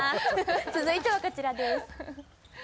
続いてはこちらです。